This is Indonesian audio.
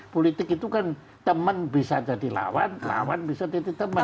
politik itu kan teman bisa jadi lawan lawan bisa jadi teman